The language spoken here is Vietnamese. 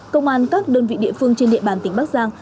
công an các đơn vị địa phương trên địa bàn tỉnh bắc giang